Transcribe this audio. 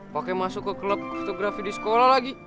pakai masuk ke klub fotografi di sekolah lagi